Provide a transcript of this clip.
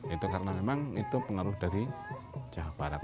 itu karena memang itu pengaruh dari jawa barat